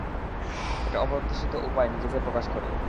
এটা অপ্রত্যাশিত উপায়ে নিজেকে প্রকাশ করে।